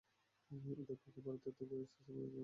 এদের পক্ষে ভারতের কাছ থেকে তিস্তা নদীতে পানি আনা সম্ভব নয়।